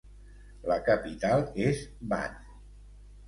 La capital és Van.